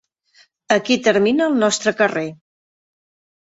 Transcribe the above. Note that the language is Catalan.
Aquí termina el nostre carrer.